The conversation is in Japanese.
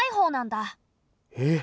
えっ！